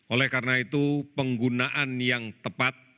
oleh karena itu penggunaan yang tepat